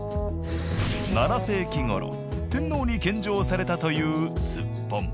７世紀頃天皇に献上されたというすっぽん。